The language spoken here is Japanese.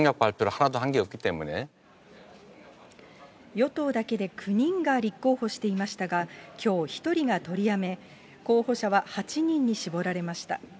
与党だけで９人が立候補していましたが、きょう、１人が取りやめ、候補者は８人に絞られました。